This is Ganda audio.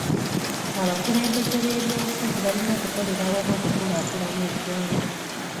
Abakulembeze b'ebyobufuzi balina okukolera awamu okukulaakulanya eggwanga.